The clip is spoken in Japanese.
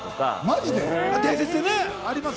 マジで？